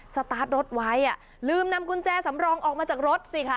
สตาร์ทรถไว้อ่ะลืมนำกุญแจสำรองออกมาจากรถสิคะ